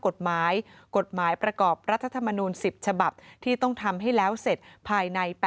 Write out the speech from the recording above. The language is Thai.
กฎหมายกฎหมายประกอบรัฐธรรมนูล๑๐ฉบับที่ต้องทำให้แล้วเสร็จภายใน๘๐